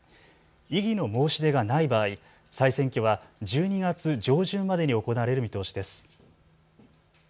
異議の申し出がない場合、再選挙は１２月上旬までに行われる見通しです。